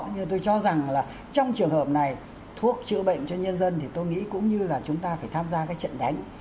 như tôi cho rằng là trong trường hợp này thuốc chữa bệnh cho nhân dân thì tôi nghĩ cũng như là chúng ta phải tham gia cái trận đánh